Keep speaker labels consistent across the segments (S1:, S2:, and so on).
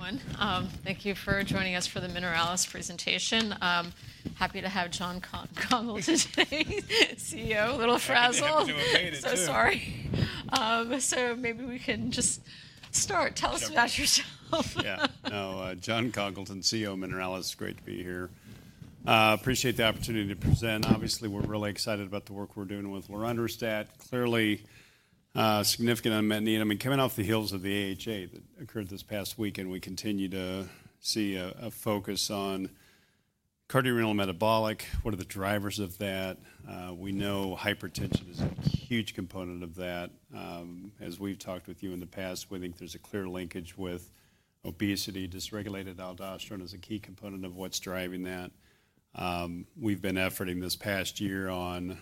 S1: All right. Good morning, everyone. Thank you for joining us for the Mineralys Therapeutics presentation. Happy to have Jon Congleton, CEO, little frazzle.
S2: I'm so excited.
S1: So sorry. So maybe we can just start. Tell us about yourself.
S2: Yeah. No, Jon Congleton, CEO of Mineralys. Great to be here. Appreciate the opportunity to present. Obviously, we're really excited about the work we're doing with lorundrostat. Clearly, significant unmet need. I mean, coming off the heels of the AHA that occurred this past week, and we continue to see a focus on cardiorenal metabolic. What are the drivers of that? We know hypertension is a huge component of that. As we've talked with you in the past, we think there's a clear linkage with obesity. Dysregulated aldosterone is a key component of what's driving that. We've been efforting this past year on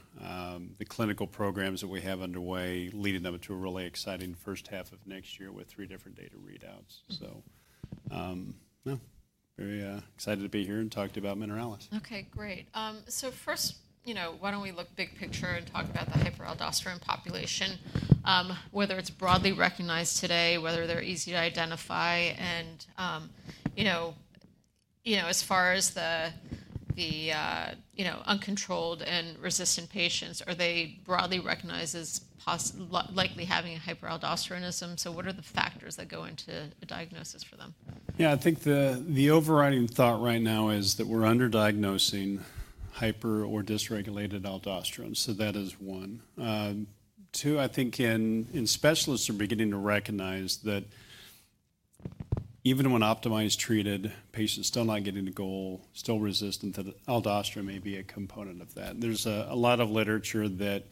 S2: the clinical programs that we have underway, leading them to a really exciting first half of next year with three different data readouts. So very excited to be here and talk to you about Mineralys Therapeutics.
S1: Okay, great. So first, why don't we look big picture and talk about the hyperaldosteronism population, whether it's broadly recognized today, whether they're easy to identify. And as far as the uncontrolled and resistant patients, are they broadly recognized as likely having hyperaldosteronism? So what are the factors that go into a diagnosis for them?
S2: Yeah, I think the overriding thought right now is that we're underdiagnosing hyperaldosteronism or dysregulated aldosterone. So that is one. Two, I think specialists are beginning to recognize that even when optimally treated, patients still not getting the goal, still resistant, that aldosterone may be a component of that. There's a lot of literature that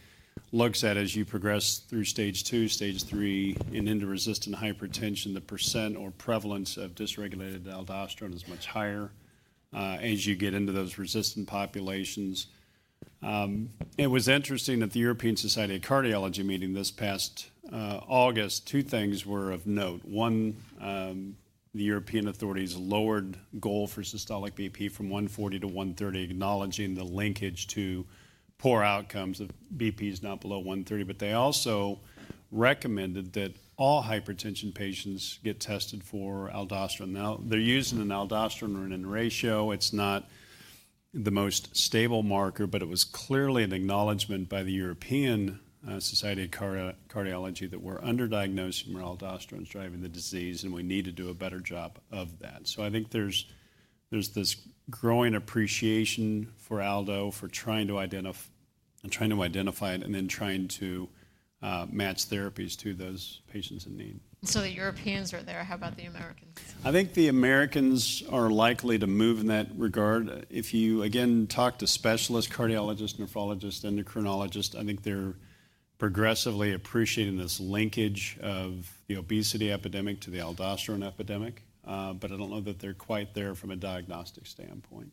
S2: looks at as you progress through stage two, stage three, and into resistant hypertension, the percent or prevalence of dysregulated aldosterone is much higher as you get into those resistant populations. It was interesting that the European Society of Cardiology meeting this past August, two things were of note. One, the European authorities lowered goal for systolic BP from 140 to 130, acknowledging the linkage to poor outcomes of BPs not below 130. But they also recommended that all hypertension patients get tested for aldosterone. Now, they're using an aldosterone ratio. It's not the most stable marker, but it was clearly an acknowledgment by the European Society of Cardiology that we're underdiagnosed and aldosterone driving the disease, and we need to do a better job of that, so I think there's this growing appreciation for aldosterone, for trying to identify it and then trying to match therapies to those patients in need.
S1: So the Europeans are there. How about the Americans?
S2: I think the Americans are likely to move in that regard. If you again talk to specialists, cardiologists, nephrologists, endocrinologists, I think they're progressively appreciating this linkage of the obesity epidemic to the aldosterone epidemic. But I don't know that they're quite there from a diagnostic standpoint.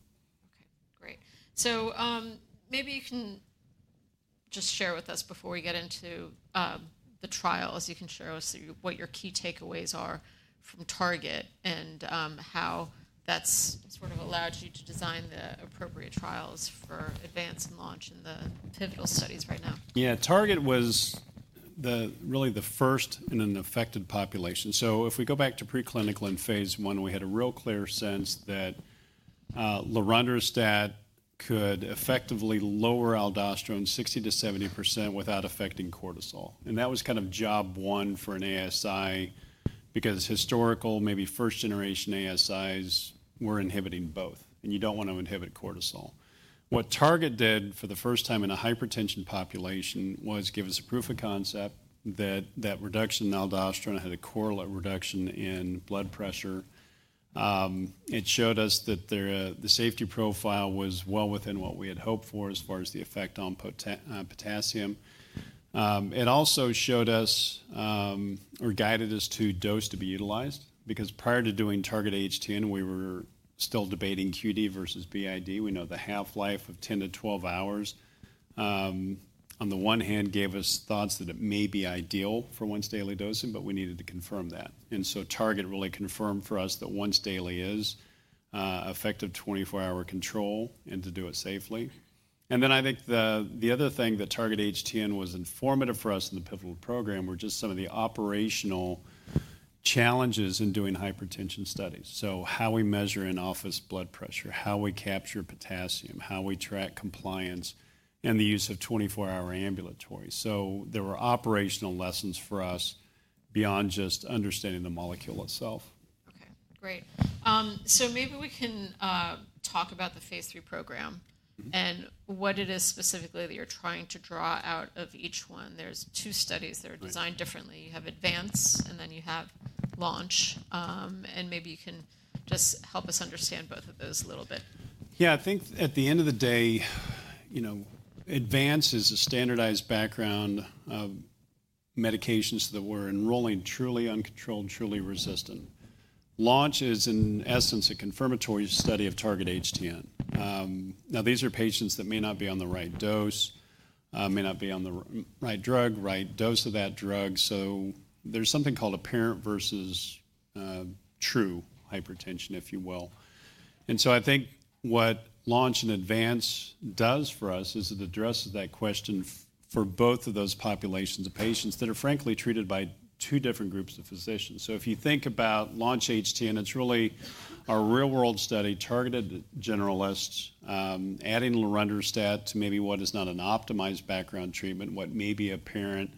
S1: Okay, great. So maybe you can just share with us before we get into the trials, you can share with us what your key takeaways are from Target and how that's sort of allowed you to design the appropriate trials for Advance and Launch in the pivotal studies right now.
S2: Yeah, Target-HTN was really the first in an affected population. So if we go back to preclinical and Phase I, we had a real clear sense that lorundrostat could effectively lower aldosterone 60%-70% without affecting cortisol. And that was kind of job one for an ASI because historical, maybe first generation ASIs were inhibiting both, and you don't want to inhibit cortisol. What Target-HTN did for the first time in a hypertension population was give us a proof of concept that that reduction in aldosterone had a correlate reduction in blood pressure. It showed us that the safety profile was well within what we had hoped for as far as the effect on potassium. It also showed us or guided us to dose to be utilized because prior to doing Target-HTN, we were still debating QD versus BID. We know the half-life of 10-12 hours, on the one hand, gave us thoughts that it may be ideal for once daily dosing, but we needed to confirm that. And so Target-HTN really confirmed for us that once daily is effective 24-hour control and to do it safely. And then I think the other thing that Target-HTN was informative for us in the pivotal program were just some of the operational challenges in doing hypertension studies. So how we measure in-office blood pressure, how we capture potassium, how we track compliance, and the use of 24-hour ambulatory. So there were operational lessons for us beyond just understanding the molecule itself.
S1: Okay, great. So maybe we can talk about the Phase III program and what it is specifically that you're trying to draw out of each one. There's two studies that are designed differently. You have Advance, and then you have Launch. And maybe you can just help us understand both of those a little bit.
S2: Yeah, I think at the end of the day, Advance-HTN is a standardized background of medications that we're enrolling truly uncontrolled, truly resistant. Launch-HTN is, in essence, a confirmatory study of Target-HTN. Now, these are patients that may not be on the right dose, may not be on the right drug, right dose of that drug. So there's something called apparent versus true hypertension, if you will. And so I think what Launch-HTN and Advance-HTN does for us is it addresses that question for both of those populations of patients that are frankly treated by two different groups of physicians. So if you think about Launch-HTN, it's really a real-world study targeted at generalists, adding lorundrostat to maybe what is not an optimized background treatment, what may be apparent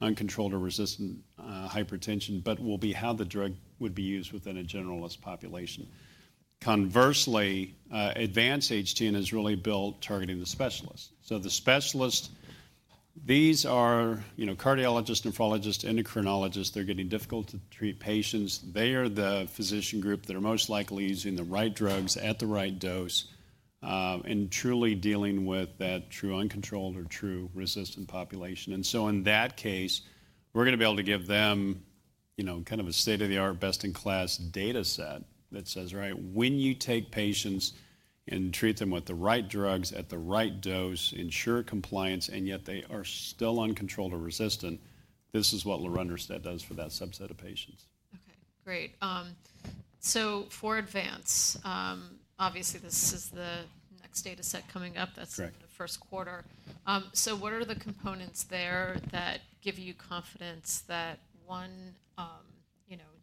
S2: uncontrolled or resistant hypertension, but will be how the drug would be used within a generalist population. Conversely, Advance-HTN is really built targeting the specialist. So the specialist, these are cardiologists, nephrologists, endocrinologists. They're getting difficult to treat patients. They are the physician group that are most likely using the right drugs at the right dose and truly dealing with that true uncontrolled or true resistant population. And so in that case, we're going to be able to give them kind of a state-of-the-art, best-in-class data set that says, right, when you take patients and treat them with the right drugs at the right dose, ensure compliance, and yet they are still uncontrolled or resistant, this is what lorundrostat does for that subset of patients.
S1: Okay, great. So for Advance, obviously this is the next data set coming up. That's the first quarter. So what are the components there that give you confidence that, one,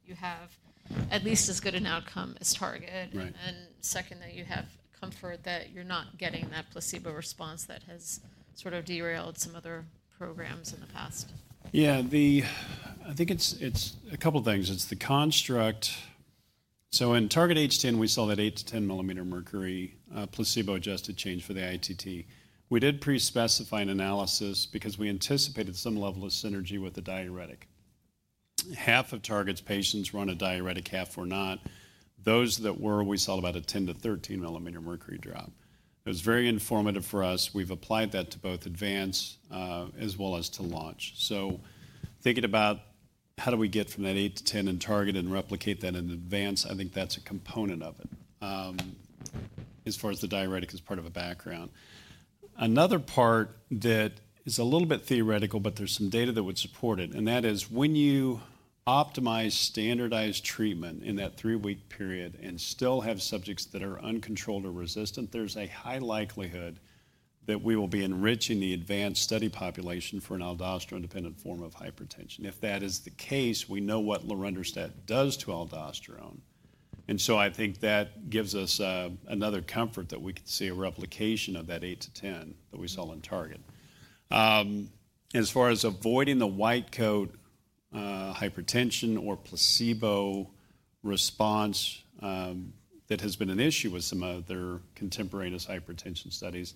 S1: you have at least as good an outcome as Target, and second, that you have comfort that you're not getting that placebo response that has sort of derailed some other programs in the past?
S2: Yeah, I think it's a couple of things. It's the construct. So in Target-HTN, we saw that 8-10 millimeter mercury placebo-adjusted change for the ITT. We did pre-specify an analysis because we anticipated some level of synergy with the diuretic. Half of Target-HTN's patients were on a diuretic, half were not. Those that were, we saw about a 10-13 millimeter mercury drop. It was very informative for us. We've applied that to both Advance-HTN as well as to Launch-HTN. So thinking about how do we get from that 8-10 in Target-HTN and replicate that in Advance-HTN, I think that's a component of it as far as the diuretic as part of a background. Another part that is a little bit theoretical, but there's some data that would support it. That is when you optimize standardized treatment in that three-week period and still have subjects that are uncontrolled or resistant. There's a high likelihood that we will be enriching the Advance-HTN study population for an aldosterone-dependent form of hypertension. If that is the case, we know what lorundrostat does to aldosterone. So I think that gives us another comfort that we could see a replication of that eight to 10 that we saw in Target-HTN. As far as avoiding the white coat hypertension or placebo response that has been an issue with some of their contemporaneous hypertension studies,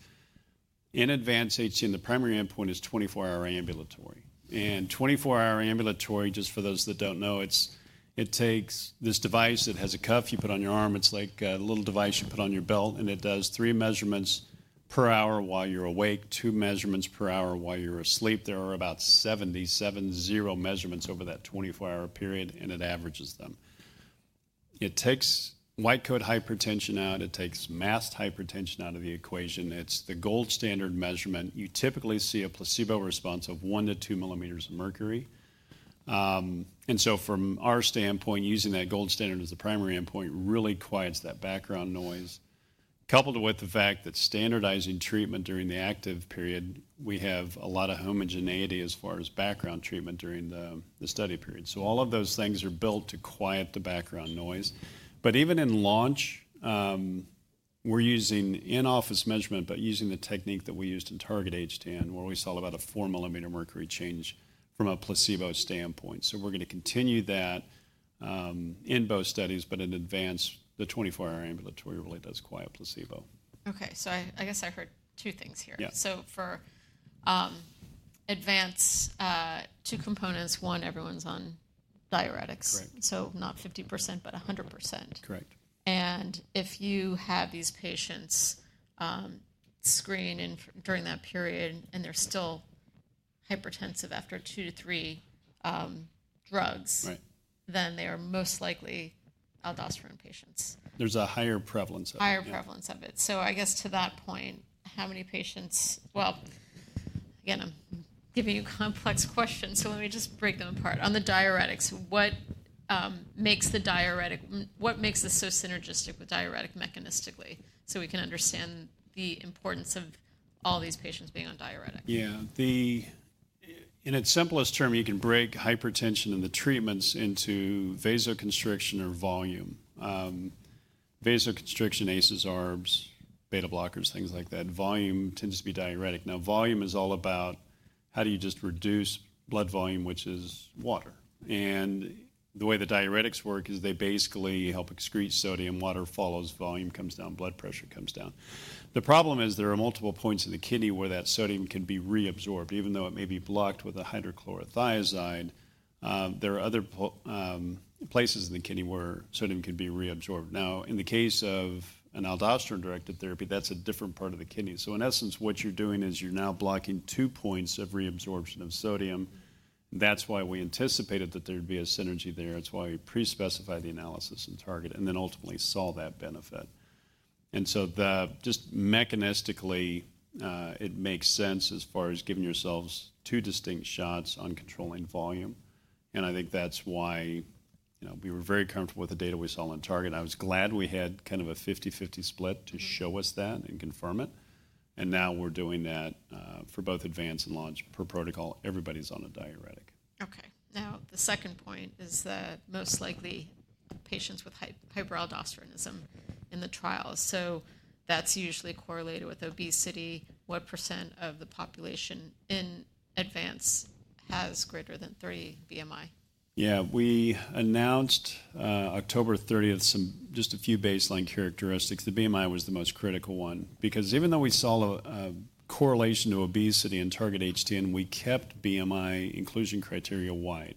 S2: in Advance-HTN, the primary endpoint is 24-hour ambulatory. 24-hour ambulatory, just for those that don't know, it takes this device that has a cuff you put on your arm. It's like a little device you put on your belt, and it does three measurements per hour while you're awake, two measurements per hour while you're asleep. There are about 70-80 measurements over that 24-hour period, and it averages them. It takes white coat hypertension out. It takes masked hypertension out of the equation. It's the gold standard measurement. You typically see a placebo response of one to two millimeters of mercury, and so from our standpoint, using that gold standard as the primary endpoint really quiets that background noise, coupled with the fact that standardizing treatment during the active period, we have a lot of homogeneity as far as background treatment during the study period, so all of those things are built to quiet the background noise. But even in Launch-HTN, we're using in-office measurement, but using the technique that we used in Target-HTN, where we saw about a four mmHg change from a placebo standpoint. So we're going to continue that in both studies, but in Advance-HTN, the 24-hour ambulatory really does quiet placebo.
S1: Okay, so I guess I heard two things here, so for advance, two components. One, everyone's on diuretics, so not 50%, but 100%.
S2: Correct.
S1: If you have these patients screened during that period and they're still hypertensive after two to three drugs, then they are most likely aldosterone patients.
S2: There's a higher prevalence of it.
S1: Higher prevalence of it. So I guess to that point, how many patients? Well, again, I'm giving you complex questions. So let me just break them apart. On the diuretics, what makes the diuretic? What makes this so synergistic with diuretic mechanistically? So we can understand the importance of all these patients being on diuretics.
S2: Yeah. In its simplest term, you can break hypertension and the treatments into vasoconstriction or volume. Vasoconstriction, ACE inhibitors, ARBs, beta blockers, things like that. Volume tends to be diuretic. Now, volume is all about how do you just reduce blood volume, which is water, and the way the diuretics work is they basically help excrete sodium. Water follows volume, comes down, blood pressure comes down. The problem is there are multiple points in the kidney where that sodium can be reabsorbed. Even though it may be blocked with a hydrochlorothiazide, there are other places in the kidney where sodium can be reabsorbed. Now, in the case of an aldosterone-directed therapy, that's a different part of the kidney, so in essence, what you're doing is you're now blocking two points of reabsorption of sodium. That's why we anticipated that there'd be a synergy there. That's why we pre-specified the analysis in Target and then ultimately saw that benefit. And so just mechanistically, it makes sense as far as giving yourselves two distinct shots on controlling volume. And I think that's why we were very comfortable with the data we saw in Target. I was glad we had kind of a 50/50 split to show us that and confirm it. And now we're doing that for both Advance and Launch per protocol. Everybody's on a diuretic.
S1: Okay. Now, the second point is that most likely patients with hyperaldosteronism in the trials. So that's usually correlated with obesity. What % of the population in Advance has greater than 30 BMI?
S2: Yeah. We announced October 30th just a few baseline characteristics. The BMI was the most critical one because even though we saw a correlation to obesity in Target-HTN, we kept BMI inclusion criteria wide,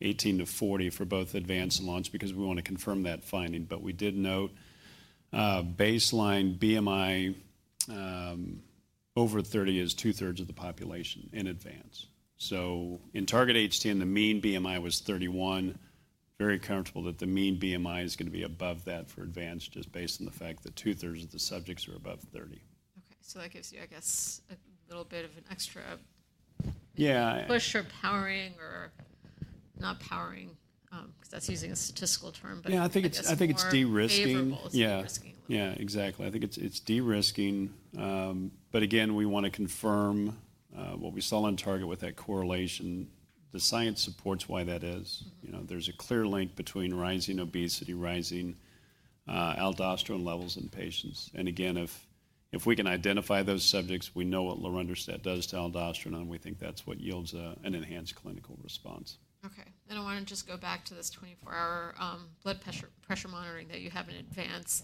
S2: 18 to 40 for both Advance-HTN and Launch-HTN because we want to confirm that finding. But we did note baseline BMI over 30 is two-thirds of the population in Advance-HTN. So in Target-HTN, the mean BMI was 31. Very comfortable that the mean BMI is going to be above that for Advance-HTN just based on the fact that two-thirds of the subjects are above 30.
S1: Okay, so that gives you, I guess, a little bit of an extra push or powering or not powering because that's using a statistical term.
S2: Yeah, I think it's de-risking.
S1: It's very favorable.
S2: Yeah, exactly. I think it's de-risking. But again, we want to confirm what we saw in Target-HTN with that correlation. The science supports why that is. There's a clear link between rising obesity, rising aldosterone levels in patients. And again, if we can identify those subjects, we know what lorundrostat does to aldosterone, and we think that's what yields an enhanced clinical response.
S1: Okay. And I want to just go back to this 24-hour blood pressure monitoring that you have in Advance.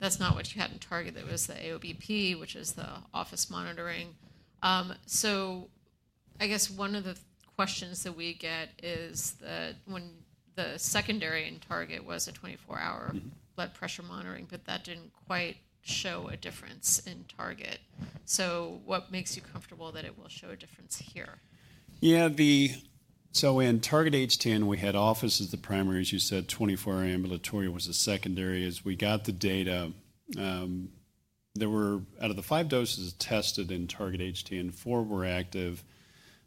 S1: That's not what you had in Target. That was the AOBP, which is the office monitoring. So I guess one of the questions that we get is that when the secondary in Target was a 24-hour blood pressure monitoring, but that didn't quite show a difference in Target. So what makes you comfortable that it will show a difference here?
S2: Yeah. So in Target-HTN, we had office as the primary, as you said, 24-hour ambulatory was the secondary. As we got the data, there were out of the five doses tested in Target-HTN, four were active.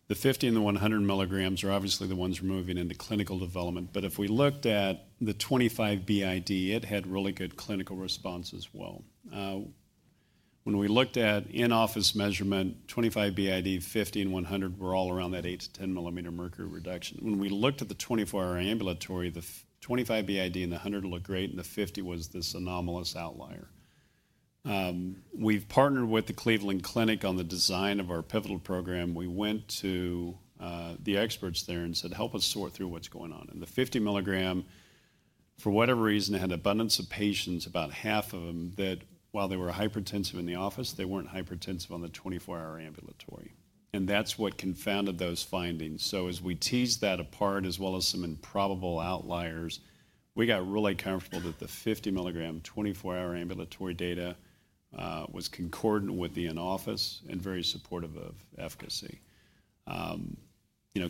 S2: The 50 and the 100 milligrams are obviously the ones we're moving into clinical development. But if we looked at the 25 BID, it had really good clinical response as well. When we looked at in-office measurement, 25 BID, 50, and 100 were all around that eight to 10 millimeter mercury reduction. When we looked at the 24-hour ambulatory, the 25 BID and the 100 looked great, and the 50 was this anomalous outlier. We've partnered with the Cleveland Clinic on the design of our pivotal program. We went to the experts there and said, "Help us sort through what's going on," and the 50 milligram, for whatever reason, had an abundance of patients, about half of them, that while they were hypertensive in the office, they weren't hypertensive on the 24-hour ambulatory, and that's what confounded those findings, so as we teased that apart, as well as some improbable outliers, we got really comfortable that the 50 milligram, 24-hour ambulatory data was concordant with the in-office and very supportive of efficacy.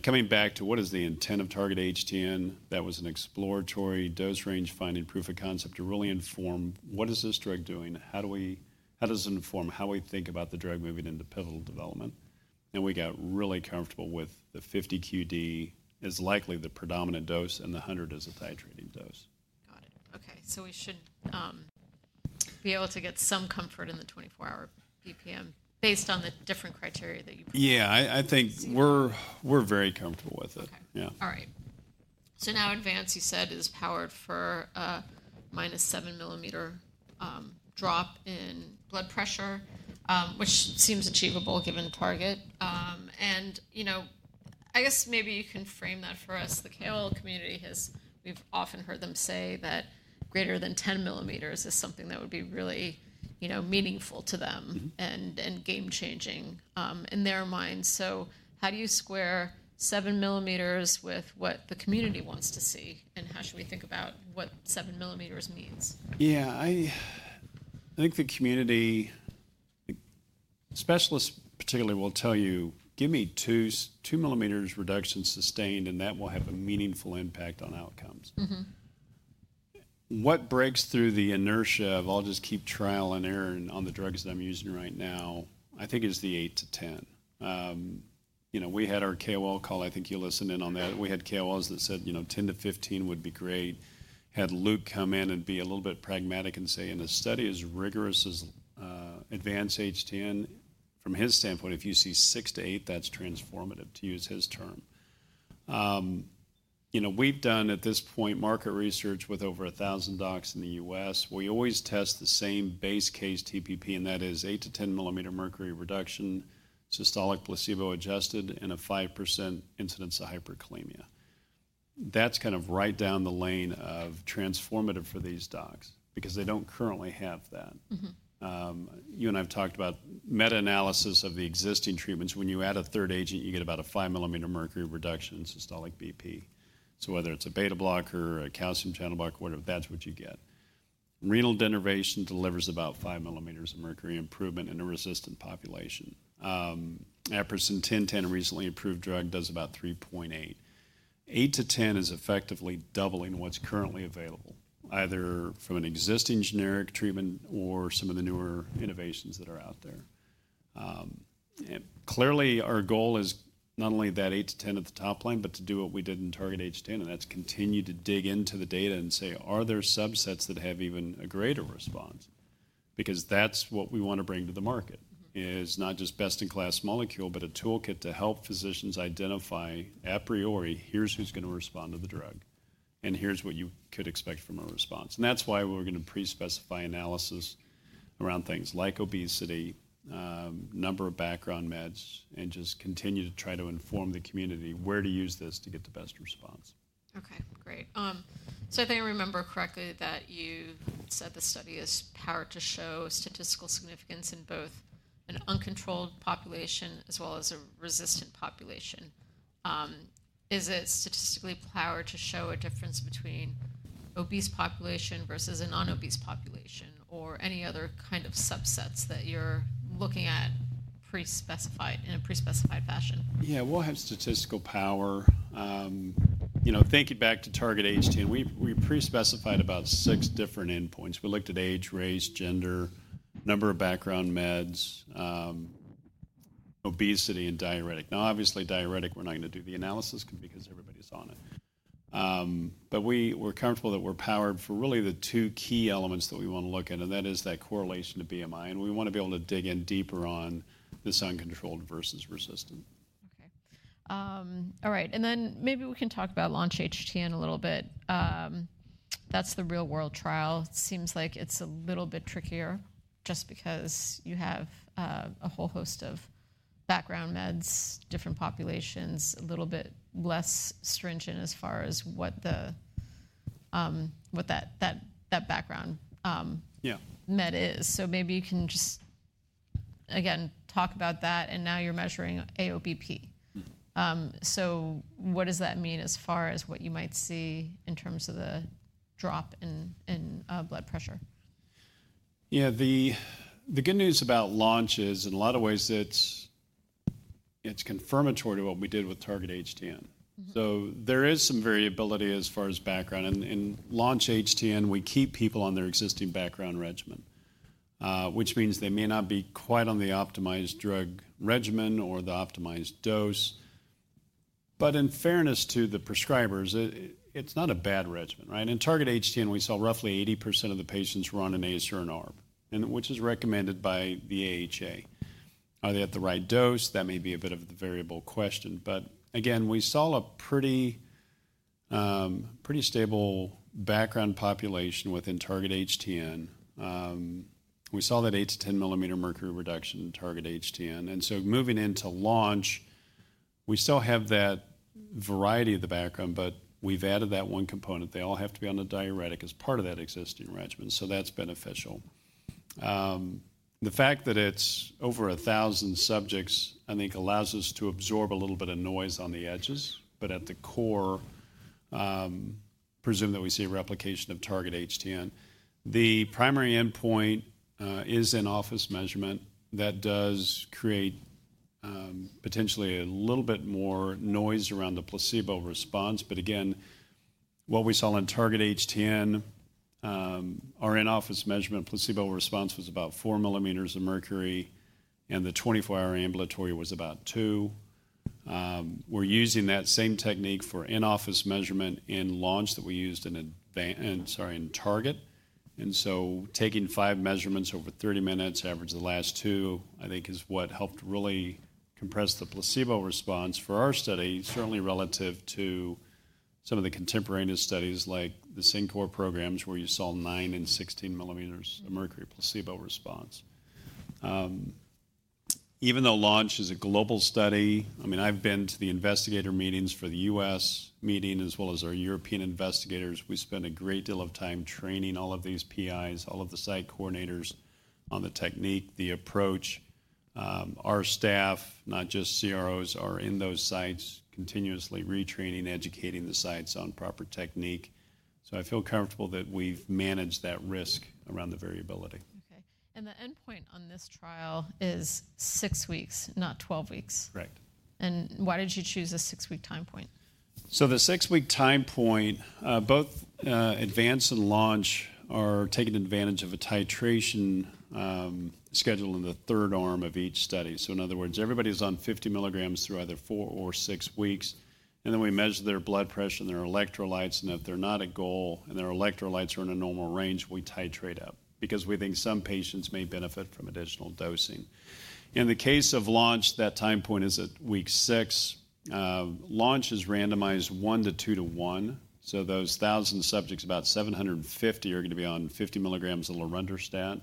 S2: Coming back to what is the intent of Target-HTN, that was an exploratory dose range finding proof of concept to really inform what is this drug doing? How does it inform how we think about the drug moving into pivotal development, and we got really comfortable with the 50 QD as likely the predominant dose and the 100 as the titrating dose.
S1: Got it. Okay. So we should be able to get some comfort in the 24-hour BPM based on the different criteria that you provided.
S2: Yeah. I think we're very comfortable with it.
S1: Okay. All right, so now Advance, you said, is powered for a minus seven mm Hg drop in blood pressure, which seems achievable given Target, and I guess maybe you can frame that for us. The KOL community, we've often heard them say that greater than 10 mm Hg is something that would be really meaningful to them and game-changing in their minds, so how do you square seven mm Hg with what the community wants to see, and how should we think about what seven mm Hg means?
S2: Yeah. I think the community, specialists particularly, will tell you, "Give me 2 millimeters reduction sustained, and that will have a meaningful impact on outcomes." What breaks through the inertia of, "I'll just keep trial and error on the drugs that I'm using right now," I think is the 8 to 10. We had our KOL call. I think you listened in on that. We had KOLs that said 10 to 15 would be great. Had Luke come in and be a little bit pragmatic and say, "And the study is rigorous as Advance-HTN." From his standpoint, if you see 6 to 8, that's transformative, to use his term. We've done, at this point, market research with over 1,000 docs in the U.S. We always test the same base case TPP, and that is 8 to 10 millimeter mercury reduction, systolic placebo-adjusted, and a 5% incidence of hyperkalemia. That's kind of right down the lane of transformative for these docs because they don't currently have that. You and I have talked about meta-analysis of the existing treatments. When you add a third agent, you get about a 5 millimeters of mercury reduction in systolic BP. So whether it's a beta blocker, a calcium channel blocker, whatever, that's what you get. Renal denervation delivers about 5 millimeters of mercury improvement in a resistant population. Aprocitentan, a recently approved drug, does about 3.8. 8 to 10 is effectively doubling what's currently available, either from an existing generic treatment or some of the newer innovations that are out there. Clearly, our goal is not only that 8-10 at the top line, but to do what we did in Target-HTN, and that's continue to dig into the data and say, "Are there subsets that have even a greater response?" Because that's what we want to bring to the market, is not just best-in-class molecule, but a toolkit to help physicians identify a priori, "Here's who's going to respond to the drug, and here's what you could expect from a response." And that's why we're going to pre-specify analysis around things like obesity, number of background meds, and just continue to try to inform the community where to use this to get the best response.
S1: Okay. Great. So if I remember correctly, that you said the study is powered to show statistical significance in both an uncontrolled population as well as a resistant population. Is it statistically powered to show a difference between obese population versus a non-obese population or any other kind of subsets that you're looking at in a pre-specified fashion?
S2: Yeah. We'll have statistical power. Thinking back to Target-HTN, we pre-specified about six different endpoints. We looked at age, race, gender, number of background meds, obesity, and diuretic. Now, obviously, diuretic, we're not going to do the analysis because everybody's on it, but we're comfortable that we're powered for really the two key elements that we want to look at, and that is that correlation to BMI, and we want to be able to dig in deeper on this uncontrolled versus resistant.
S1: Okay. All right. And then maybe we can talk about Launch-HTN a little bit. That's the real-world trial. It seems like it's a little bit trickier just because you have a whole host of background meds, different populations, a little bit less stringent as far as what that background med is. So maybe you can just, again, talk about that. And now you're measuring AOBP. So what does that mean as far as what you might see in terms of the drop in blood pressure?
S2: Yeah. The good news about Launch-HTN is, in a lot of ways, it's confirmatory to what we did with Target-HTN. So there is some variability as far as background. In Launch-HTN, we keep people on their existing background regimen, which means they may not be quite on the optimized drug regimen or the optimized dose. But in fairness to the prescribers, it's not a bad regimen, right? In Target-HTN, we saw roughly 80% of the patients were on an ACE or an ARB, which is recommended by the AHA. Are they at the right dose? That may be a bit of the variable question. But again, we saw a pretty stable background population within Target-HTN. We saw that 8 to 10 millimeter mercury reduction in Target-HTN. And so moving into Launch-HTN, we still have that variety of the background, but we've added that one component. They all have to be on the diuretic as part of that existing regimen. So that's beneficial. The fact that it's over 1,000 subjects, I think, allows us to absorb a little bit of noise on the edges. But at the core, presume that we see a replication of Target-HTN. The primary endpoint is in-office measurement that does create potentially a little bit more noise around the placebo response. But again, what we saw in Target-HTN, our in-office measurement placebo response was about 4 millimeters of mercury, and the 24-hour ambulatory was about 2. We're using that same technique for in-office measurement in Launch-HTN that we used in Target-HTN. And so taking five measurements over 30 minutes, average the last two, I think, is what helped really compress the placebo response for our study, certainly relative to some of the contemporaneous studies like the CinCor programs where you saw nine and 16 millimeters of mercury placebo response. Even though launch is a global study, I mean, I've been to the investigator meetings for the U.S. meeting as well as our European investigators. We spend a great deal of time training all of these PIs, all of the site coordinators on the technique, the approach. Our staff, not just CROs, are in those sites continuously retraining, educating the sites on proper technique. So I feel comfortable that we've managed that risk around the variability.
S1: Okay, and the endpoint on this trial is six weeks, not 12 weeks.
S2: Correct.
S1: Why did you choose a six-week time point?
S2: The six-week time point, both Advance-HTN and Launch-HTN are taking advantage of a titration schedule in the third arm of each study. In other words, everybody is on 50 milligrams through either four or six weeks. And then we measure their blood pressure and their electrolytes. And if they're not at goal and their electrolytes are in a normal range, we titrate up because we think some patients may benefit from additional dosing. In the case of Launch-HTN, that time point is at week six. Launch-HTN is randomized 1 to 2 to 1. So those 1,000 subjects, about 750 are going to be on 50 milligrams of lorundrostat.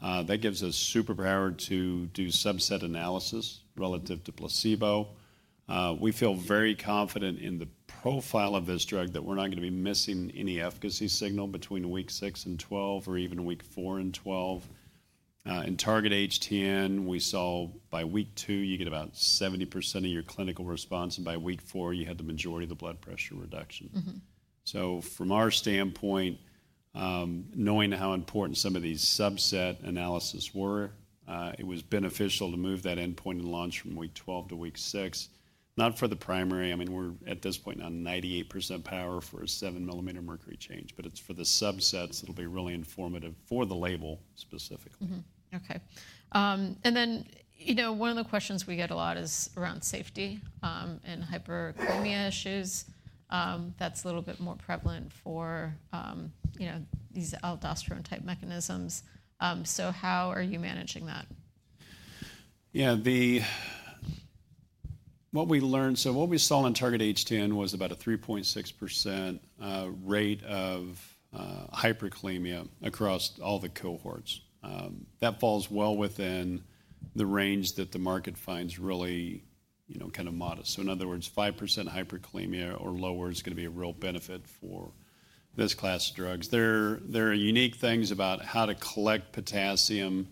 S2: That gives us superpower to do subset analysis relative to placebo. We feel very confident in the profile of this drug that we're not going to be missing any efficacy signal between week six and 12 or even week four and 12. In Target-HTN, we saw by week two, you get about 70% of your clinical response, and by week four, you had the majority of the blood pressure reduction. From our standpoint, knowing how important some of these subset analyses were, it was beneficial to move that endpoint in Launch-HTN from week 12 to week six. Not for the primary. I mean, we're at this point on 98% power for a 7 mm Hg change, but it's for the subsets that'll be really informative for the label specifically.
S1: Okay. And then one of the questions we get a lot is around safety and hyperkalemia issues. That's a little bit more prevalent for these aldosterone-type mechanisms. So how are you managing that?
S2: Yeah. What we learned, so what we saw in Target-HTN was about a 3.6% rate of hyperkalemia across all the cohorts. That falls well within the range that the market finds really kind of modest. So in other words, 5% hyperkalemia or lower is going to be a real benefit for this class of drugs. There are unique things about how to collect potassium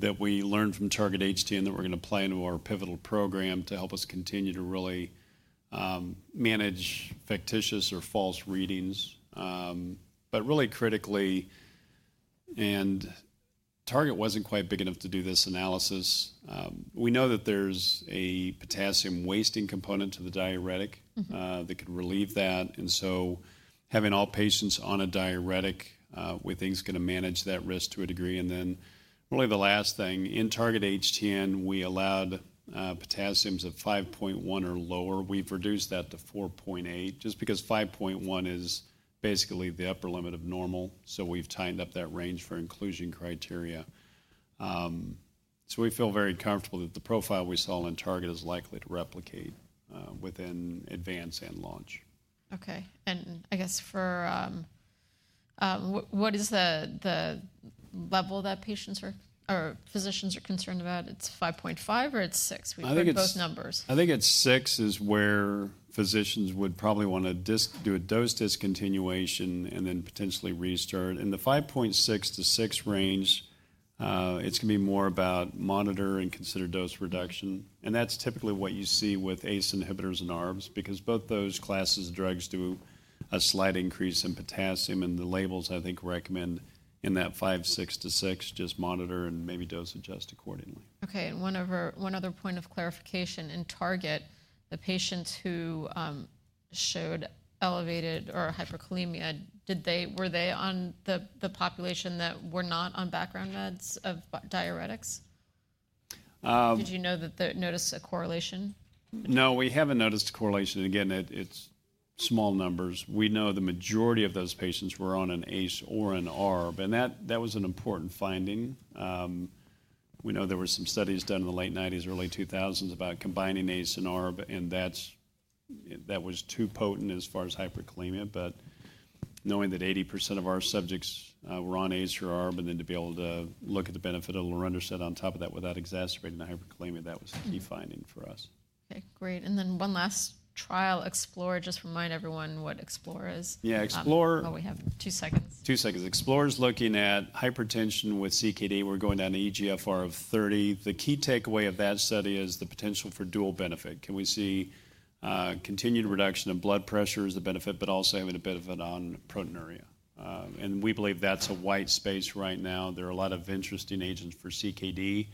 S2: that we learned from Target-HTN that we're going to play into our pivotal program to help us continue to really manage factitious or false readings. But really critically, and Target-HTN wasn't quite big enough to do this analysis, we know that there's a potassium wasting component to the diuretic that could relieve that. And so having all patients on a diuretic, we think is going to manage that risk to a degree. And then really the last thing, in Target-HTN, we allowed potassiums of 5.1 or lower. We've reduced that to 4.8 just because 5.1 is basically the upper limit of normal. So we've tightened up that range for inclusion criteria. So we feel very comfortable that the profile we saw in Target-HTN is likely to replicate within Advance-HTN and Launch-HTN.
S1: Okay, and I guess for what is the level that patients or physicians are concerned about? It's 5.5 or it's 6? We've heard both numbers.
S2: I think it's 6 is where physicians would probably want to do a dose discontinuation and then potentially restart. In the 5.6 to 6 range, it's going to be more about monitor and consider dose reduction. And that's typically what you see with ACE inhibitors and ARBs because both those classes of drugs do a slight increase in potassium. And the labels, I think, recommend in that 5.6 to 6, just monitor and maybe dose adjust accordingly.
S1: Okay. And one other point of clarification. In Target, the patients who showed elevated or hyperkalemia, were they on the population that were not on background meds of diuretics? Did you notice a correlation?
S2: No, we haven't noticed a correlation. Again, it's small numbers. We know the majority of those patients were on an ACE or an ARB. And that was an important finding. We know there were some studies done in the late 1990s, early 2000s about combining ACE and ARB, and that was too potent as far as hyperkalemia. But knowing that 80% of our subjects were on ACE or ARB, and then to be able to look at the benefit of lorundrostat on top of that without exacerbating the hyperkalemia, that was a key finding for us.
S1: Okay. Great, and then one last trial, Explore. Just remind everyone what Explore is.
S2: Yeah. Explore.
S1: We have two seconds.
S2: Two seconds. Explore-CKD is looking at hypertension with CKD. We're going down to eGFR of 30. The key takeaway of that study is the potential for dual benefit. Can we see continued reduction in blood pressure as a benefit, but also having a benefit on proteinuria? And we believe that's a white space right now. There are a lot of interesting agents for CKD,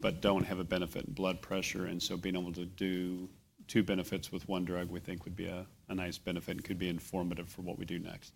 S2: but don't have a benefit in blood pressure. And so being able to do two benefits with one drug, we think would be a nice benefit and could be informative for what we do next.